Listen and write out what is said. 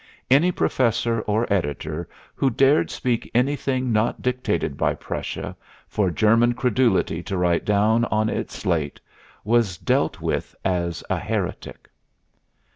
Any professor or editor who dared speak anything not dictated by Prussia, for German credulity to write down on its slate, was dealt with as a heretic.